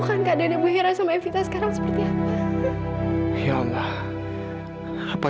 aduh kepala aku